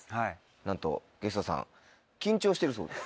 なんとゲストさん緊張してるそうです。